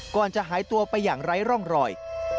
ก่อนจะหายตัวไปอย่างไร้ร่องรอย